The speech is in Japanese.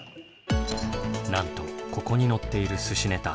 なんとここに載っているすしネタ